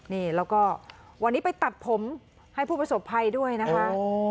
นี่แล้วก็วันนี้ไปตัดผมให้ผู้ประสบภัยด้วยนะคะ